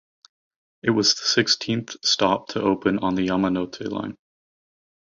It was the sixteenth stop to open on the Yamanote Line.